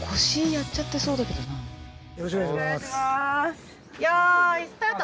腰やっちゃってそうだけどな。